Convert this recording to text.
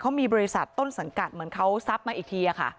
เขามีบริษัทต้นสังกัดเหมือนเขาทรัพย์มาอีกทีค่ะ